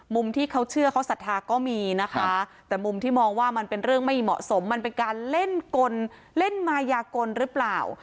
มุมที่เขาเชื่อเขาศรัทธาก็มีนะคะแต่มุมที่มองว่ามันเป็นเรื่องไม่เหมาะสมมันเป็นการเล่นกลเล่นมายากลหรือเปล่า